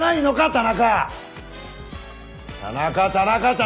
田中田中田中！